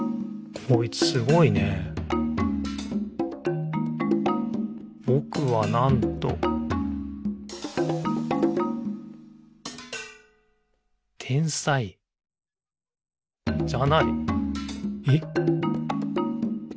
こいつすごいね「ぼくは、なんと」天才じゃない。え？